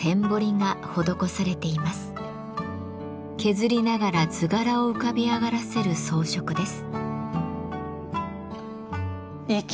削りながら図柄を浮かび上がらせる装飾です。